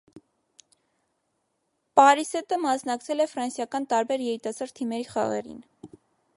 Պարիսետը մասնակցել է ֆրանսիական տարբեր երիտասարդ թիմերի խաղերին։